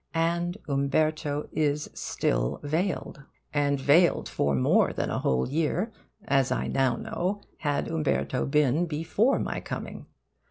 And Umberto is still veiled. And veiled for more than a whole year, as I now know, had Umberto been before my coming.